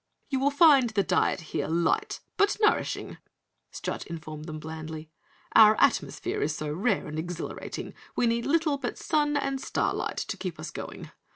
"You will find the diet here light, but nourishing," Strut informed them blandly. "Our atmosphere is so rare and exhilarating, we need little but sun and star light to keep us going.